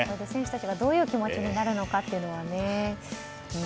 選手たちがどういう気持ちになるのかもね。